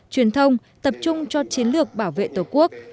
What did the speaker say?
truyền thông tập trung cho chiến lược bảo vệ tổ quốc